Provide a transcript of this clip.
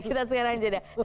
kita sekarang aja deh